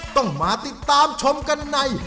ต้องมาติดตามชมกันใน